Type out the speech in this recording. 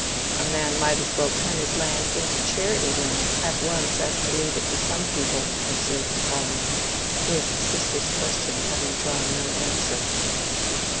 "A man might as well turn his land into charity land at once as leave it to some people," observed Solomon, his sister's question having drawn no answer.